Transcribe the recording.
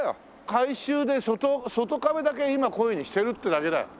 改修で外外壁だけ今こういうふうにしてるってだけだよ。